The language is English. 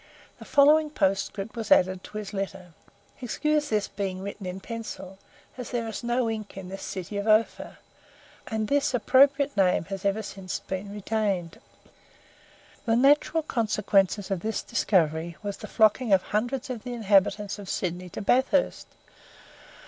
The following postscript was added to his letter: "Excuse this being written in pencil, as there is no ink in this city of Ophir." And this appropriate name has ever since been retained. The natural consequences of this discovery was the flocking of hundreds of the inhabitants of Sydney to Bathurst.